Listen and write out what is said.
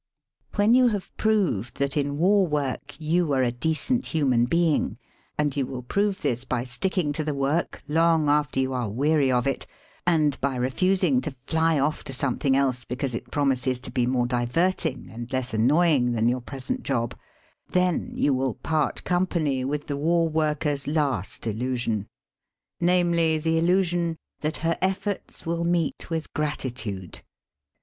When you have proved that in war work you are a decent human being — and you will prove this by sticking to the work long after you are weary 36 SELF AND SELF MANAGEMENT of it, and by refusing to fly off to sometliing else because it promises to be more diverting and leas annoying than your present job — then you will part company with the war workers' last illusion. Namely, the illusion that her efforts will meet with gratitude.